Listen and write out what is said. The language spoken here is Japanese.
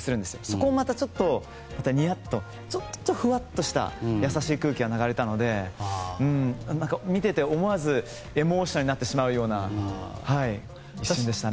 そこもまたちょっとにやっとちょっとふわっとした優しい空気が流れたので見ていて、思わずエモーショナルになってしまうような一瞬でしたね。